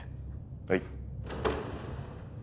はい。